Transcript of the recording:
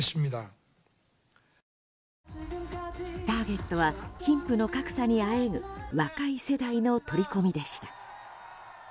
ターゲットは貧富の格差にあえぐ若い世代の取り込みでした。